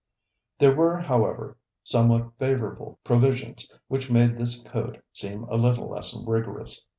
There were, however, somewhat favorable provisions which made this code seem a little less rigorous.